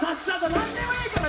なんでもいいから！